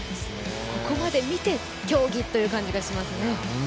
ここまで見て、競技という感じがしますね。